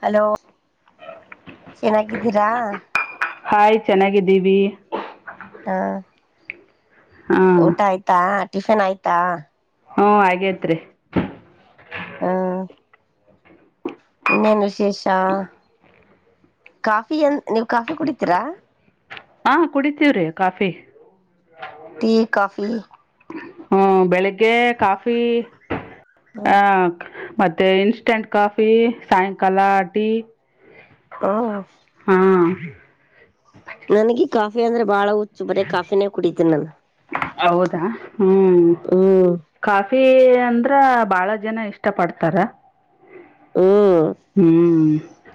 Hello ಚೆನ್ನಾಗಿದ್ದೀರಾ hi ಚೆನ್ನಾಗಿದ್ದೀವಿ ಹಾ ಹಾಂ ಊಟ ಆಯ್ತಾ ಟಿಫಿನ್ ಆಯ್ತಾ ಹ್ಮ ಹಾಗೇತ್ರಿ ಹ್ಮ ಇನ್ನೇನ್ ವಿಶೇಷಾ ಕಾಫಿ ಎನ್ ನೀವ್ ಕಾಫಿ ಕುಡಿತೀರಾ ಹಾ ಕುಡಿತೀವ್ರಿ ಕಾಫಿ ಟಿ ಕಾಫಿ ಹ್ಮ ಬೆಳಿಗ್ಗೆ ಕಾಫಿ ಹ್ಮ್ ಆ ಮತ್ತೆ ಇನ್ಸ್ಟೆಂಟ್ ಕಾಫಿ ಸಾಯಂಕಾಲ ಟೀ ಹಾ [unintelligible] ನನ್ಗ ಕಾಫಿ ಅಂದ್ರೆ ಬಾಳ ಹುಚ್ಚು ಬರ ಕಾಫಿನೇ ಕುಡಿತನ ನಾನು ಹೌದಾ ಹ್ಮ್ ಹ್ಮ್ ಕಾಫಿ ಅಂದ್ರ ತ್ರ ಬಾಳ ಜನ ಇಷ್ಟ ಪಡ್ತಾರ ಹ್ಮ್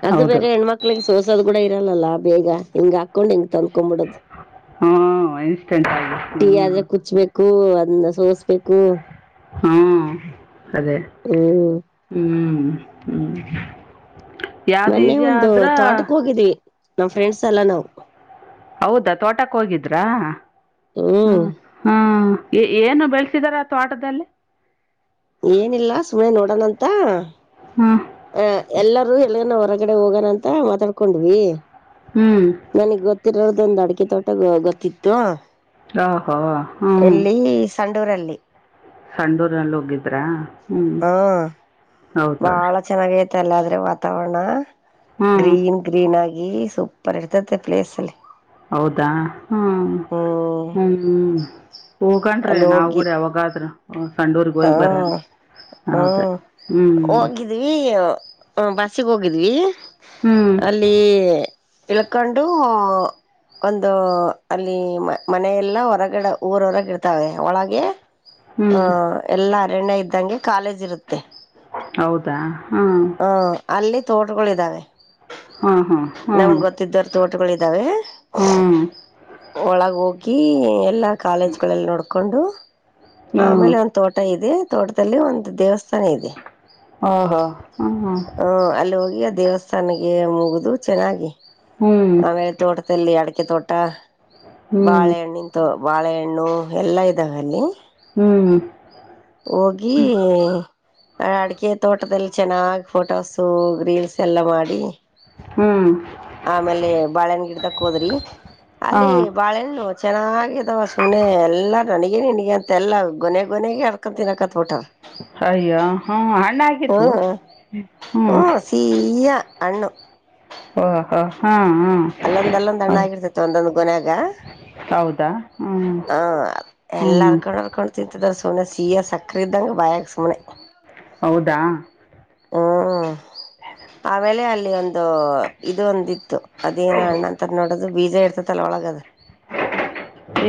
ಅದು ಹೌದು ಬೇರೆ ಹೆಣ್ಮಕ್ಳಿಗೆ ಸೋಸೋದು ಕೂಡ ಇ ಇರಲ್ಲಲ್ಲಾ ಬೇಗ ಹಂಗ ಹಾಕೊಂಡ್ ಹೆಂಗ ತನ್ಕೊಬಿಡದು ಹ್ಞೂ ಇನ್ಸ್ಟೆಂಟ್ ಆಗಿ ಟೀ ಹ್ಞೂ ಆದ್ರೆ ಕುಚ್ಬೇಕು ಬು ಅದನ್ನ ಸೋಸ್ಬೇಕು ಹ್ಮ ಅದೇ ಹ್ಮ್ ಹ್ಮ್ ಹ್ಮ್ ಮೊನ್ನೆ ಒಂದು ತೋಟಕ್ ಹೋಗಿದ್ವಿ ನಮ್ ಫ್ರೆಂಡ್ಸ್ ಎಲ್ಲ ನಾವವು ಹೌದಾ ತೋಟಕ್ಕೆ ಹೋಗಿದ್ರಾ ಹ್ಮ ಹ್ಮ್ ಹ್ಮ ಏನು ಬೆಳಸಿದಾರ ಅಥವಾ ಆಟದಲ್ಲಿ ಏನಿಲ್ಲ ಸುಮಮ್ಮನೆ ನೋಡೋಣಂತ ಹ್ಮ್ ಆ ಎಲ್ಲರೂ ಎಲ್ಲ ನ ಹೊರಗಡೆ ಹೋಗೋಣ ಅಂತ ಮಾತಾಡ್ಕೊಂಡ್ವಿ ಹ್ಮ್ ನನಗ್ ಗೊತ್ತಿರದೊಂದು ಅಡಿಕೆ ತೋಟ ಗೊತ್ತಿತ್ತು ಆ ಹೋ ಹ್ಮ್ ಎಲ್ಲಿ ಸಂಡೂರಲ್ಲಿ ಸಂಡೂರ್ಲ್ಲಿ ಹೋಗಿದ್ರಾ ಹ್ಮ್ ಹ ಹೌದೌದು ಬಾಳ ಚೆನ್ನಾಗ ಐತೆಲ್ಲ ಆದ್ರೆ ವಾತಾವರಣ ಹ್ಮ್ ಗ್ರೀನ್ ಗ್ರೀನ್ ಆಗಿ ಈ ಸೂಪರ್ ಇರ್ತತಿ ಪ್ಲೇಸ್ ಅಲ್ಲಿ ಹೌದಾ ಹ್ಮ್ ಹ್ಮ್ ಹ್ಮ್ ಹೋಗನ್ ನಾವು ಕೂಡ ಯಾವಾಗಾದ್ರು ಹಾ ಹಾ ಹೌದ ಹ್ಮ್ ಹೋಗಿದ್ವಿ ಹ ಬಸಗೆ ಹೋಗಿದ್ವಿ ಹ್ಮ್ ಅಲ್ಲಿ ಇಲಕಂಡು ಒಂದು ಅಲ್ಲಿ ಮ ಮನೆಯೆಲ್ಲ ಹೊರಗಿಡ ಊರ ಹೊರಗ ಇಡ್ತಾವೆ ಒಳಗೆ ಹ ಹ್ಮ್ ಎಲ್ಲ ಅರಣ್ಯ ಇದ್ದಂಗೆ ಕಾಲೇಜ್ ಇರುತ್ತೆ ಹೌದಾ ಹ್ಮ್ ಹ ಅಲ್ಲಿ ತೋಟಗಳುದ್ದಾವೆ ಹಾಂ ಹಾಂ ಹಾಂ ನಮ್ ಗೊತ್ತಿದ್ದವರ್ ತೋಟಗಳ ಇದಿದಾವೆ ಹ್ಮ್ ಒಳಗ ಹೋಗಿ ಕಿ ಎಲ್ಲಾ ಕಾಲೇಜ್ಗಳಲ್ಲಿ ನೋಡ್ಕೊಂಡು ಹಾ ಆಮೇಲೆ ಒಂದ್ ತೋಟ ಇದೆ ತೋಟದಲ್ಲಿ ಒಂದು ದೇವಸ್ಥಾನ ಇದೆ ಓಹೋ ಹ್ಮ್ ಹ ಅಲ್ಲಿ ಹೋಗಿ ದೇವಸ್ಥಾನಗೆ ಮುಗುದು ಚೆನ್ನಾಗಿ ಹ್ಮ್ ಆಮೇಲೆ ತೋಟದಲ್ಲಿ ಅಡಕೆ ತೋಟ ಹ್ಮ್ ಬಾಳೆಹಣ್ಣ ನಿಂತು ಬಾಳೆಹಣ್ಣು ಎಲ್ಲ ಇದ್ದಾವೆ ಅಲ್ಲಿ ಹ್ಮ್ ಹೋಗಿ ಅಡಿಕೆ ತೋಟದಲ್ಲಿ ಚೆನ್ನಾಗಾಗಿ ಫೋಟೋಸು ರೀಲ್ಸ್ ಎಲ್ಲ ಮಾಡಿ ಹ್ಮ್ ಆಮೇಲೆ ಬಾಳೆನ ಗಿಡದಕ್ ಹೋದ್ರಿ ಅಲ್ಲಿ ಹಾಂ ಬಾಳೆಣ್ಣ ಚೆನ್ನಾಗ ಇದಾವ ಸುಮ್ಮನೆ ಎಲ್ಲಾರ ನನಗ ನನ್ಗೆ ಅಂತೆ ಎಲ್ಲ ಗೊನೆ ಗೊನೆಗೆ ಅಡ್ಕೊಂತ ತಿನಕತ್ತತ್ಬಿಟ ಸಯ್ಯ ಹ್ಮ ಹ್ಮ್ ಹ್ಮ ಸೀಯಾ ಅಣ್ಣು ಹಾ ಹಾ ಹಾ ಅಲ್ಲೊಂದ್ ಅಲ್ಲೊಂದ್ ಅಣ್ಣ ಆಗಿರ್ತೈತಿ ಒಂದೊಂದ್ ಗೊನೆಯಾಗ ಹೌದಾ ಹ್ಞೂ ಹ ಎಲ್ಲಾ ಹ್ಞೂ ಅರ್ಕೊಂಡ್ ಅರ್ಕೊಂಡ್ ತಿ ಚದರ್ ಸುನೆ ಸಿ ಎರ್ ಸಕ್ರಿದ್ದಂಗ ಬಯಾಗ ಸುಮನೆ ಹೌದಾ ಹ್ಮ್ ಆ ವೇಳೆ ಅಲ್ಲಿ ಒಂದು ಇದು ಒಂದಿತ್ತು ಅದೇನ ಅಣ್ಣ ಅಂತ ನೋಡೋದು ಬೀಜ ಇರ್ತದಲ್ಲ ಒಳಗದು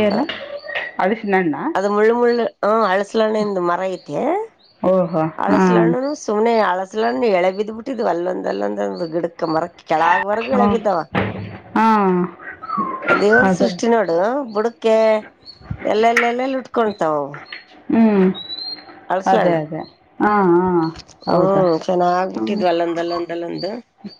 ಏನು ಅದ ಅದು ಮುಳ್ಳು ಮುಳ್ಳು ಹ್ ಅಳಸ ಅಸಲಣ್ಣಿಂದ ಮರ ಐತೆ ಓಹೋ ಹಾಂ ಅಳಸಲಣ್ಣು ಸುಮ್ನೆ ಅಸ ಅಲೊ ಎಳೆ ಬಿದ್ಬಿಟ್ಟಿದ್ ಅಲ್ಲೊಂದ ಅಲ್ಲೊಂದಂದು ಗಿಡ ಕ್ಕ ಮರಕ್ ಕೆಳಗವರೆಗೂ ಇಳ ಹ್ಞೂ ಬಿದ್ದಾವ ಹಾಂ ಅ ದೇವ್ರ ಅದೇ ಸೃಷ್ಟಿ ನೋಡು ಬುಡಕ ಎಲ್ಲಲ್ಲೆಲ್ಲ ಉಟ್ಕೊತಾವ ಹ್ಮ್ ಅದೇ ಅದೇ ಹಾ ಹಾ ಹೌದಾ ಹ್ಮ್ ಚೆನ್ನಾಗ್ ಹ್ಮ ಬಿಟ್ಟಿದ್ವು ಅಲ್ಲೊಂದ್ ಅಲ್ಲೊಂದ್ ಅಲ್ಲೊಂದು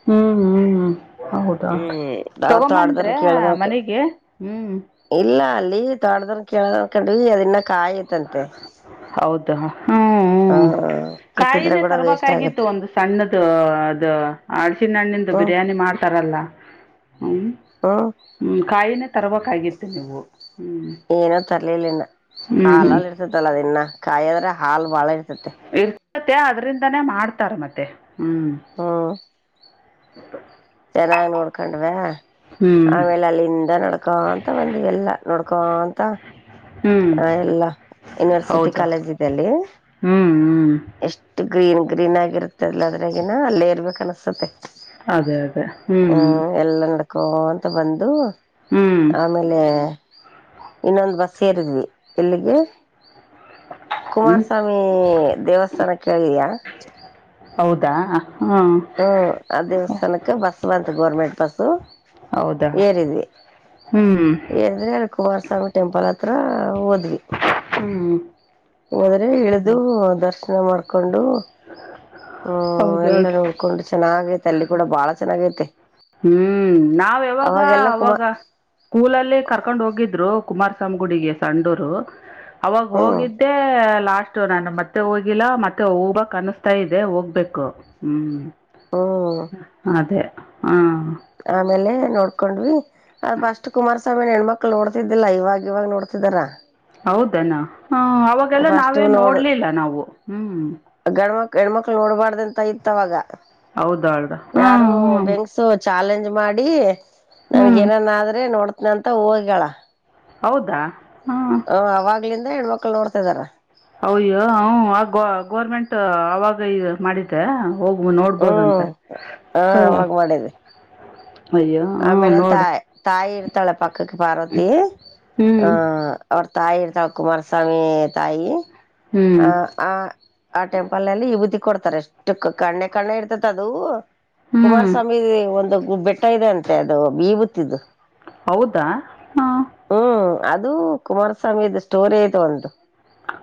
ಹ್ಮ್ ಹ್ಮ್ ಹೌದ ಹ್ಮ್ ನಾವ್ ತಗೊಂಬಂದ್ರೆ ತೋಟದವ್ರನ್ ಕೇಳ್ದೋಕೆ ಮನೆಗೆ ಹ್ಞೂ ಇಲ್ಲ ಅಲ್ಲಿ ತೊಡ್ದನ್ ಕೇಳ ಕಂಡವಿ ಅದ ಇನ್ನ ಕಾಯತ್ಂತೆ ಹೌದಾ ಹ್ಮ್ ಕಿತ್ತಿದ್ರೆ ಕಾಯಿನೇ ಕೂಡ ವೇಸ್ಟ್ ತರ್ಬೇಕಾಗಿತ್ತು ಆಗತ್ತೆ ಒಂದು ಸಣ್ಣದ ಅದು ಅಳ್ಸಿಣ ಹಣ್ಣಂದು ಹ್ಮ್ ಬಿರಿಯಾನಿ ಮಾಡ್ತಾರ ಹ್ಮ ಹ್ಮ್ ಹ್ಮ ಕಾಯಿನೇ ತರಬೇಕಕ್ಗತ್ತು ನೀವು ಹ್ಞೂ ಏನೋ ತರ್ಲಿಲ್ಲನ್ನ ಹ್ಞೂ ಹ್ಞೂ ಹಾಲಲ್ಲಿ ಇರ್ತದಲ್ಲ ಅದ ಇನ್ನ ಕಾಯಾದ್ರೆ ಹಾಲ್ ಬಾಳ ಇರ್ತ ಜತೆ ಮತ್ತೆ ಅದ್ರಿಂದಾನೇ ಮಾಡ್ತಾರೆ ಮತ್ತೆ ಹ್ಮ್ ಹ್ಮ್ ಚೆನ್ನಾಗ್ ನೋಡ್ಕೊಂಡ್ವ ಆಮೇಲೆ ಅಲ್ಲಿಂದ ನಡ್ಕೊ ಅಂತ ಬಂದ್ ಎಲ್ಲಾ ನೋಡ್ಕ ಕಂತಾ ಹ್ಞೂ ಆ ಎಲ್ಲ ಯುನಿವರ್ಸಿಟಿ ಹೌದು ಕಾಲೇಜ್ ಇದಲ್ಲಿ ಹ್ಞೂ ಹ್ಞೂ ಎಷ್ಟು ಗ್ರೀನ್ ಗ್ರೀನ್ ಆಗಿರುತ್ತಲ್ಲ ಅದ್ರಾಗಿನ ಅಲ್ಲೇ ಇರ್ಬೇಕಕ್ ಅನಸತೆ ಅದೇ ಅದೇ ಹ್ಮ್ ಕ್ಕೋ ಅಂತ ಬಂದು ಆಮೇಲೆ ಇನ್ನೊಂದು ಬಸ್ ಸೇರಿದ್ವಿ ಇಲ್ಲಿಗೆ ಹ್ಞೂ ಕುಮಾರಸ್ವಾಮಿ ದೇವಸ್ಥಾನಕ್ಕೆಳಿದಯಾ ಹೌದಾ ಹಾಂ ಹ್ಮ್ ಆ ದೇವಸ್ಥಾನಕ್ಕೆ ಬಸ್ ಬಂತು ಗೋರ್ಮೆಂಟ್ ಬಸ್ ಹೌದಾ ಏರಿದ್ವಿ ಹ್ಞೂ ಏರಿದ್ರೆ ಅಲ್ಲಿ ಕುಮಾರಸ್ವಾಮಿ ಟೆಂಪಲ್ ಹತ್ತ ಹತ್ರ ಓದ್ವಿ ಹ್ಮ್ ಹನಾದ್ರೆ ಇಳಿದು ದರ್ಶನ ಮಾಡ್ಕೊಂಡು ಹ್ಮ್ ಹೌದು ಎಲ್ಲ ನೋಡ್ಕೊಂಡು ಚೆನ್ನಾಗ ತೆ ಅಲ್ಲಿ ಕೂಡ ಬಾಳ ಚೆನ್ನಾಗೈತೆ ಹ್ಮ್ ನಾವ ಯಾವಾಗ ಅವಾಗೆಲ್ಲ ಅವಾಗ ಕುಮಾರ್ ಸ್ಕೂಲಲ್ಲಿ ಕರ್ಕೊಂಡ್ ಹೋಗಿದ್ರು ಕುಮಾರಸ್ವಾಮಿ ಗುಡಿಗೆ ಸಂಡೂರು ಅವಾಗ ಹ್ಮ್ ಹೋಗಿದ್ದೆ ಲಾಸ್ಟ್ ನಾನು ಮತ್ತೆ ಹೋಗಿಲ್ಲ ಮತ್ತೆ ಹೋಗಬಕ್ ಅನಿಸ್ತಾ ಇದೆ ಹೋಗ್ಬೇಕು ಹ್ಮ್ ಹ್ಮ್ ಅದೇ ಹಾ ಆಮೇಲೆ ನೋಡ್ಕೊಂಡ್ವಿ ಅದ ಪಸ್ಟ್ ಕುಮಾರಸ್ವಾಮಿ ಹೆಣ್ಮಕ್ಳು ನೋಡ್ತಿದ್ದಿಲ್ಲ ಇವಾಗ ಇವಾಗ ನೋಡ್ತವಿ ಶಗರ ಹೌದನಾ ಹ ಅವಾಗೆಲ್ಲ ಫಸ್ಟ್ ನಾವೇನ್ ನೋಡ್ ನೋಡ್ಲಿಲ್ಲ ನಾವು ಹ್ಮ್ ಗಂಡ್ಮಕ್ ಹೆಣ್ಮಕ್ಳು ನೋಡ್ಬಾರ್ದಂತ ಇತ್ವಾಗ ಹೌದಾ ಹಾಂ ಯಾರು ಹಾಂ ಬೆಂಗಸು ಚಾಲೆಂಜ್ ಮಾಡಿ ನನ್ಗ ಹ್ಮ್ ಏನನ್ ಆದ್ರೆ ನೋಡ್ತನ ಅಂತ ಹೋಗಳ ಹೌದಾ ಹಾಂ ಹ ಅವಾಗ್ಲಿಂದ ಹೆಣ್ಮಕ್ಳು ನೋಡ್ತಾದಾರ ಅಯ್ಯೋ ಹ ಆ ಗೋರ್ಮೆಂಟ್ ಅವಾಗ ಇ ಮಾಡಿದ್ದೆ ಹೋಗುವ ನೋಡ್ಬೋದಂತ ಹ್ಮ್ ಹ ಅವಾಗ ಮಾಡಿದ್ವಿ ಆಮೇಲೆ ತಾಯಿ ತಾಯಿ ಇರ್ತಾಳೆ ಪಕ್ಕಕ್ಕೆ ಪಾರ್ವತಿ ಆಹ ಹ್ಮ್ ಅವರ್ ತಾಯಿ ಇರ್ತಾವ ಕುಮಾರಸ್ವಾಮಿ ತಾಯಿ ಆ ಹ್ಮ್ ಆ ಆ ಟೆಂಪಲ್ ನಲ್ಲಿ ವಿಭೂತಿ ಕೊಡ್ತಾರೆ ಎಷ್ಟು ಕಣ್ಣೆ ಕಣ್ಣೆ ಇರ್ತತಿ ಅದು ಹ್ಮ್ ಕುಮಾರಸ್ವಾಮಿ ಒಂದು ಹೂ ಬೆಟ್ಟ ಇದೆ ಅಂತೆ ಅದು ಬೀ ಬತ್ತಿದ್ದು ಹೌದಾ ಹ ಹ್ಮ್ ಅದು ಕುಮಾರಸ್ವಾಮಿ ಸ್ಟೋರಿ ಐ್ತ ಉಟು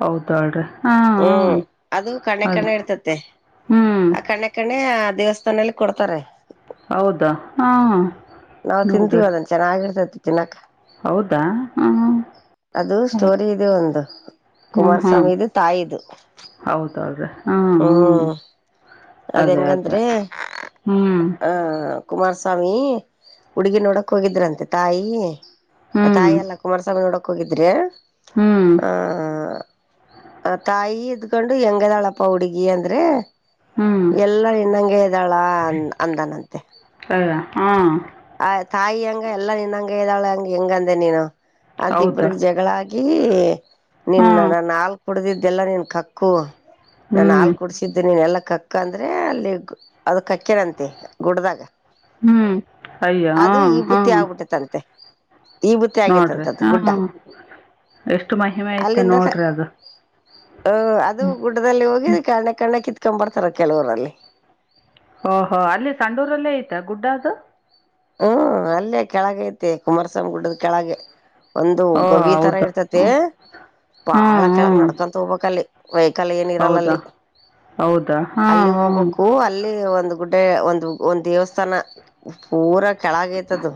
ಹೌದಾಳ್ರಿ ಹಾ ಹಾ ಹ್ಮ್ ಅದು ಕಣ್ಣೆ ಕಣ ಹೌದು ಇಡ್ತತ್ತ ಹ್ಮ್ ಆ ಕಣ್ಣೆ ಕಣ್ಣೆ ಆ ದೇವಸ್ಥಾನಲ್ಲಿ ಕೊಡ್ತಾರೆ ಹೌದಾ ಹಾ ನಾವ್ ನೋಡ್ರ ತಿಂತೀವಿ ಅದನ್ ಚೆನ್ನಾಗಿರ್ತತಿ ತಿನ್ನಕ್ ಹಾ ಅದು ಸ್ಟೋರಿ ಹೌದು ಇದೆ ಒಂದು ಹ್ಮ್ ಹ್ಮ್ ಕುಮಾರಸ್ವಾಮಿದು ತಾಯದುು ಹ್ಮ್ ಅದ ಅದೇ ಅದೇ ಹೆಂಗಂದ್ರೆ ಹ್ಮ್ ಆ ಕುಮಾರಸ್ವಾಮಿ ಹುಡುಗಿ ನೋಡಕ್ ಹೋಗಿದ್ರಂತೆ ತಾಯಿ ಹ್ಮ್ ತಾಯಿಯ ಎಲ್ಲಾ ಕುಮಾರಸ್ವಾಮಿ ನೋಡಕ್ ಹೋಗಿದ್ರಿ ಹ್ಮ್ ಆ ತಾಯಿ ಇದ್ಕೊಂಡು ಹೆಂಗದಾಳಪ್ಪ ಹುಡ್ಗಿ ಅಂದ್ರೆ ಹ್ಮ್ ಎಲ್ಲ ಇನ್ನಂಗೆ ಇದ್ದಾಳ ಅ ಅಂದನಂತೆ ಹಾಂ ಆ ತಾಯಿ ಹಂಗ ಎಲ್ಲಾ ನಿನ್ ಹಂಗ ಇದ್ದಾಳ ಹಂಗ ಹೆಂಗಂದೆ ನೀನು ಅಂತ ಹೌದಾ ಇಬ್ರಗ್ ಜಗಳಾಗಿ ಹಾ ನಿನ್ನ ನಾ ನಾಲ್ಕು ಕುಡ್ದಿದ್ದೆಲ್ಲಾ ನಿನ್ ಕಕ್ಕು ನಾನ ಹ್ಮ್ ಹಾಲ್ ಕುಡಸಿದ್ದ ನೀನ್ ಎಲ್ಲ ಕಕ್ಕ ಅಂದ್ರೆ ಅಲ್ಲಿ ಅದ ಕಕ್ಕೇನಂತೆ ಗುಡ್ದಾಗ ಹ್ಮ್ ಅಯ್ಯ ಹ ಅದು ಈ ಹಾ ಬುತ್ತಿ ಆಗ್ಬಿಟ್ಟೈತಂತೆ ಈ ಬುತ್ತ ನೋಡ್ರಿ ಆಗೇತ್ತಂತದ್ದು ಗುಡ್ಡ ಹಾ ಎಷ್ಟು ಮಹಿಮೆ ಐತೆ ಅಲ್ಲಿಂದಲ್ಲ ನೋಡ್ರಿ ಅದು ಹ ಅದು ಗುಡ್ಡದಲ್ಲಿ ಹೋಗಿ ಕಣ್ಣ ಕಣ್ಣ ಕಿತ್ಕೊಂಡ್ ಬರ್ತಾರ ಕೆಲವರಲ್ಲಿ ಓಹೋ ಅಲ್ಲಿ ಸಂಡೂರಲ್ಲೇ ಐತೆ ಗುಡ್ಡ ಅದು ಹ್ಮ್ ಅಲ್ಲೇ ಕೆಳಗೆ ಐತೆ ಕುಮಾರಸ್ವಾಮಿ ಗುಡ್ಡದ ಕೆಳಗೆ ಒಂದು ಓ ಗವಿ ತರ ಹೌದಾ ಇರ್ತತಿ ಹ್ಞೂ ಹ್ಞೂ ಬಾಳ ಹ್ಞೂ ಕೆಳಗ್ ನಡ್ಕೊಂತ ಹೋಗ್ಬಕ್ಲ್ಲಿ ವೈಕಾಲ್ ಏನಿರಲ್ಲ ಹೌದಾ ಅಲ್ಲಿ ಹೌದಾ ಹಾಂ ಅಲ್ಲಿ ಹಾಂ ಹೋಗ್ಕ್ಕು ಅಲ್ಲಿ ಒಂದು ಗುಡ್ಡೆ ಒಂದು ಒಂದ ದೇವಸ್ಥಾನ ಪೂರಾ ಕೆಳಗಐತದ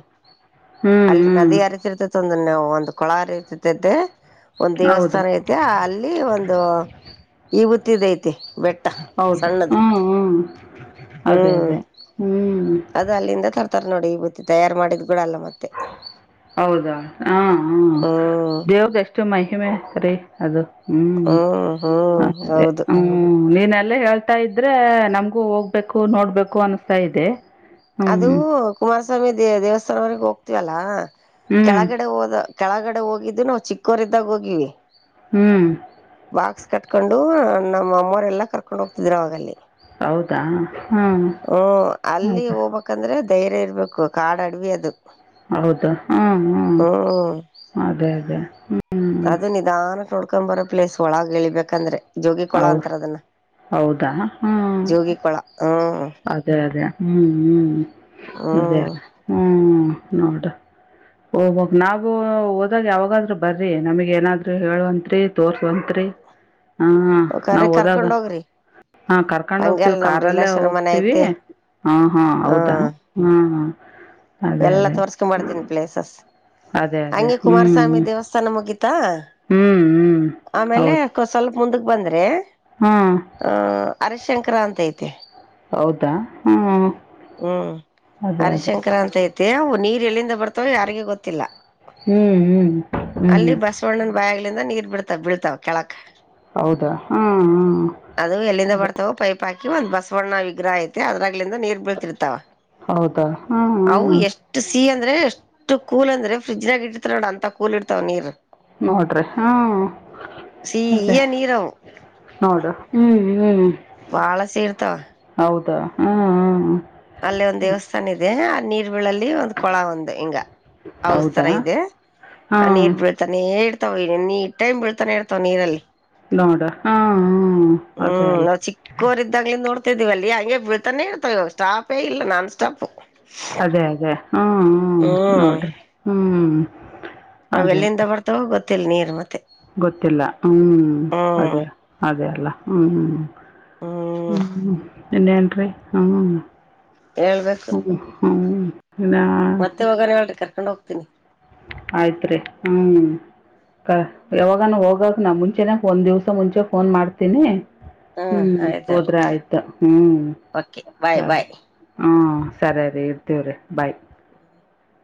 ಹ್ಞೂ ಅಲ್ಲಿ ನದಿ ಹ್ಞೂ ಹರಿತಿರ್ತೈತಿ ಒಂದು ನವು ಒಂದು ಕೊಳ ಅರಿತಿತೈತೆ ಒಂದ್ ಹೌದಾ ದೇವಸ್ಥಾನ ಐತಿ ಅಲ್ಲಿ ಒಂದು ಈಗತ್ತಿದ ಐತಿ ಬೆೇಟ್ಟ ಹೌದು ಸಣ್ಣದ ಹ್ಞೂ ಹ್ಞೂ ಅದೇ ಹ್ಮ್ ಅದೇ ಹ್ಞೂ ಅದು ಅಲ್ಲಿಂದ ತರ್ತಾರೆ ನೋಡಿ ಈ ಬತ್ತಿ ತಯಾರು ಮಾಡಿದ ಹೌದಾ ಹಾ ಹಾ ಹ್ಮ್ ದೇವ್ದಷ್ಟ ಮಹಿಮೆ ಅದು ಹ್ಮ್ ಹ್ಮ್ ಹೌದು ಹ್ಮ ನೀನ್ ಹೇಳ್ತಾ ಇದ್ರೆ ನಮ್ಗೂ ಹೋಗ್ಬೇಕು ನೋಡ್ಬೇಕು ಅನಸ್ತ್ ಇದೆ ಹ್ಞೂ ಅದು ಕುಮಾರಸ್ವಾಮಿ ದೇ ದೇವಸ್ಥಾನವರೆಗ್ ಹೋಗ್ತಿವಲ್ಲ ಹ್ಞೂ ಕೆಳಗಡೆ ಹೋದ ಕೆಳಗಡೆ ಹೋಗಿದ್ದು ನಾವು ಚಿಕ್ಕೋರಿದ್ದಾಗ ಹೋಗಿವಿ ಹ್ಮ್ ಬಾಕ್ಸ್ ಕಟ್ಕೊಂಡು ನಮ್ಮ ಅಮ್ಮರೆ ಎಲ್ಲ ಕರ್ಕೊಂಡು ಹೋಗ್ತಿದರು ಅವಾಗಲ್ಲಿ ಹೌದಾ ಹಾಂ ಹ್ಮ ಅಲ್ಲಿ ಹೌದಾ ಹೋಗ್ಬೇಕಕ್ಂದ್ರೆ ಧೈರ್ಯ ಇರ್ಬೇಕು ಕಾಡು ಅಡ್ವಿ ಅದು ಹೌದು ಹ್ಮ್ ಹ್ಮ್ ಹಾಗೆ ಹಾಗೆ ಹ್ಮ ಅದು ನಿಧಾನ ನೋಡ್ಕೊಂಡ್ ಬರೋ ಪ್ಲೇಸ್ ಒಳಗೆ ಎಳಿಬೇಕಂದ್ರೆ ಹೌ ಹೌದಾ ಹ್ಮ ಜೋಗಿ ಕೊಳ ಹ್ಮ್ ಅದೇ ಅದೇ ಹ್ಮ್ ಹ್ಮ್ ಅದೇ ಹ್ಮ್ ಅ ಹ್ಮ್ ನೋಡ್ ಹೋಗ್ಬಕ್ ನಾವು ಹೋದಾಗ ಯಾವಾಗಾದ್ರು ಬರಿ ನಮಗ್ ಏನಾದ್ರು ಹೇಳುವಂತ್ರಿ ತೋರ್ಸವಂತ್ರಿ ಹಾ ನಾವ ಕರೆ ಹೋದಾಗ. ಕರ್ಕೊಂಡ್ ಹೋಗ್ರಿ ಹಾ ಕರ್ಕೊಂಡ್ ಹಂಗಲ್ ಹೋಗ್ತೀವಿ ನಮ್ ಕಾರಲ್ಲೇ ರಿಲೇಶನ್ ಮನೆ ಹೋಗ್ತೀವಿ. ಐತಿ ಹಾ ಹಾ ಹೌದಾ ಹ್ಮ ಹ್ಮ್ ಹ್ಮ್ ಎಲ್ಲಾ ತೋರ್ಸ್ಕೊಂಡಂಬ್ತೀನಿ ಪ್ಲೇಸಸ್ ಅದೇ ಅದೇ ಹಂಗೆ ಹ್ಞೂ ಕುಮಾರಸ್ವಾಮಿ ಹ್ಞೂ ದೇವಸ್ಥಾನ ಮುಗಿ ತ್ತ ಹ್ಞೂ ಹ್ಞೂ ಆಮೇಲೆ ಸ್ವಲ್ಪ ಮುಂದಕ್ ಬಂದ್ರೆ. ಹ್ಮ್ ಹರೆ ಶಂಕ್ರ ಅಂತೈತೆ. ಹೌದಾ ಹ್ಮ್ ಹ್ಮ್ ಹರಿಶಂಕರ ಅಂತೈತಿ ಅವು ನೀರ್ ಎಲ್ಲಿಂದ ಬರ್ತಾವ ಯಾರಿಗ ಗೊತ್ತಿಲ್ಲ. ಹ್ಞೂ ಹ್ಞೂ ಹ್ಞೂ ಅಲ್ಲಿ ಬಸವಣ್ಣನ ಬಾಯಗ್ಲಿಂದ ನೀರ್ ಬಿಡ್ತಾವ ಬಿಳ್ತಾವ ಕೆಳಕ್ಕ. ಹೌದಾ ಹ್ಮ್ ಹ್ಮ್ ಅಥವಾ ಪೈಪ್ ಹಾಕಿ ಒಂದ ಬಸವಣ್ಣ ವಿಗ್ರಹ ಐತೆ ಅದ್ರಾಗ್ಲಿಂದ ನೀರ್ ಬೀಳ್ತಿರ್ತಾವ. ಹೌದಾ ಹಾಂ ಅವು ಹಾಂ ಎಷ್ಟು ಸಿ ಅ ಅಂದ್ರೆ ಎಷ್ಟು ಕೂ ಅಂದ್ರೆ ಫ್ರಿಜ್ನಾಗ ಇಟ್ಟಿರ್ತಾರಲ್ಲ ನೋಡ ಅಂತ ಕೂಲ್ ಇಡ್ತಾವ ನೀರ್. ನೋಡ್ರಿ ಹ್ಮ ಸಿಹಿಯ ನೀರವು ನೋಡು ಹ್ಮ್ ಹ್ಮ್ ಬಾಳ ಸಿ ಇರ್ತಾವ. ಹ್ಮ ಹಾ ಅಲ್ಲೇ ಒಂದ್ ದೇವಸ್ಥಾನ ಇದೆ ಅ ಬೀಳಲ್ಲಿ ಒಂದು ಕೊಳ ಒಂದು ಹಿಂಗ ಅವ್ ತರ ಹೌದಾ ಇದೆ ಹಾಂ ನೀರ್ ಬೀಳ್ತ ನೇ ಇರ್ತಾವ ಎನಿ ಟೈಮ್ ಬೀಳ್ತಾನೆ ಇರ್ತಾವ ನೀರಲ್ಲಿ. ನೋಡ ಹಾ ಹಾ ಅದೇ ಅಲ್ಲ. ತಿವವಲ್ಲಿ ಹಂಗೆ ಬೀಳ್ತಾನೇ ಇತಾವ ಸ್ಟಾಪೇ ಇಲ್ಲ ನಾನ್ ಸ್ಟಾಪ್. ಅದೇ ಅದೇ ಹ್ಮ್ ಹ್ಮ್ ನೋಡ್ ಹ್ಮ್. ಅವೆಲ್ಲಿಂದ ಬರ್ತಾವೋ ಗೊತ್ತಿಲ್ಲ ನೀರ್ ಮತ್ತೆ. ಗೊತ್ತಿಲ್ಲ ಹ್ಮ್ ಹ್ಮ್ ಅದೇ ಅದೇ ಅಲ್ಲ ಹ್ಮ್ ಹ್ಮ್ ಹ್ಮ ಎಟ್ರಿ ಹ್ಮ್ ಹೇಳ್ಬೇಕು ಹ್ಮ ಹ್ಮ್ ಮತ್ತೆ ಹೋಗಾನ ಹೇಳಿ ಕರ್ಕೊಂಡ್ ಹೋಗ್ತೀನಿ. ಆಯ್ತ್ರಿ ಹ್ಮ್ ಯಾವಾಗಾನ ಹೋಗಕ್ ನಾ ಮುಂಚೆನ ಒಂದ್ ದಿವಸ ಮುಂಚೆ ಫೋನ್ ಮಾಡ್ತೀನಿ. ಹ್ಮ್ ಹೋದ್ರೆ ಆಯ್ತು ಹ್ಮ್ ಓಕೆ ಬಾಯ್ ಸರಿ ಬಾಯ್ ಹಾ. ಸರಿ ರಿ ಇರ್ತೀವ್ರೀ ಬಾಯ್ [inaudible]